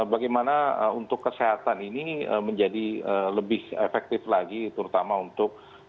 bagaimana untuk kesehatan ini menjadi lebih efektif lagi terutama untuk